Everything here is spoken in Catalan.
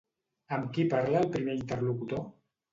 Amb qui parla el primer interlocutor?